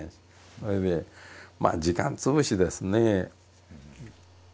それでまあ時間つぶしですね。